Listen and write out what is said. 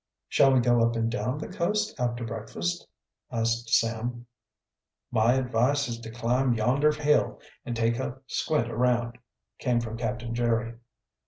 "Shall we go up and down the coast after breakfast?" asked Sam. "My advice is to climb yonder hill and take a squint around," came from Captain Jerry.